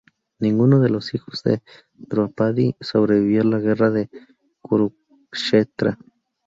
Ninguno de los hijos de Draupadi sobrevivió a la guerra de Kurukshetra.